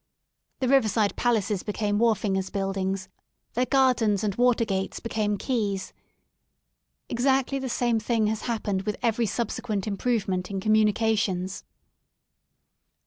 The riverside palaces became wharfingers' buildings, their gardens and water gates became quays. Exactly the same thing has happened with every subsequent improvement in communications.